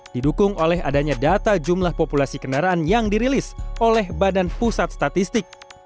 didukung oleh adanya data jumlah populasi kendaraan yang dirilis oleh badan pusat statistik